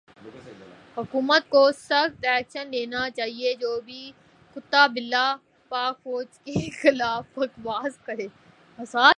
حکومت کو سخت ایکشن لینا چایئے جو بھی کتا بلا پاک فوج کے خلاف بکواس کرے